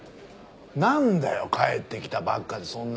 なんだよ帰ってきたばっかでそんな事。